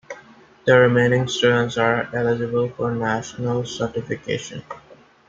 The remaining students are eligible for national certification.